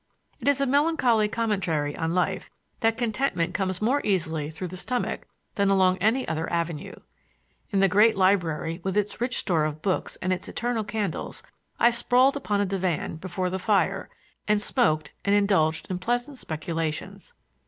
It is a melancholy commentary on life that contentment comes more easily through the stomach than along any other avenue. In the great library, with its rich store of books and its eternal candles, I sprawled upon a divan before the fire and smoked and indulged in pleasant speculations.